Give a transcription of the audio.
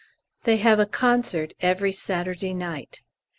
They have a concert every Saturday night.